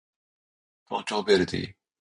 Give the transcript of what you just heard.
東京ヴェルディ